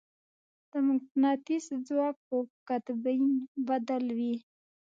د مقناطیس ځواک په قطبین بدل وي.